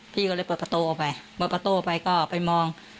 พี่ก็เลยเปิดประตูออกไปเปิดประตูไปก็ไปมอง